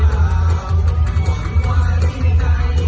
กลับไปกลับไป